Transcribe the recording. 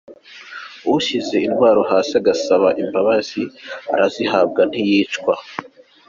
Ushyize intwaro hasi, agasaba imbabazi arazihabwa, ntiyicwa.